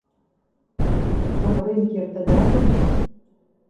Савырен кертыда гын?